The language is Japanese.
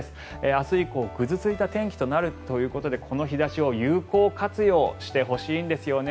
明日以降、ぐずついた天気となるということでこの日差しを有効活用してほしいんですよね。